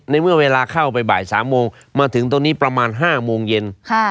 ในเมื่อเวลาเข้าไปบ่าย๓โมงมาถึงตรงนี้ประมาณ๕โมงเย็น